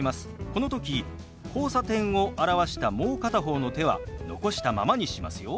この時「交差点」を表したもう片方の手は残したままにしますよ。